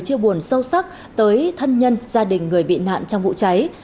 chia buồn sâu sắc tới thân nhân gia đình người bị nạn trong vụ cháy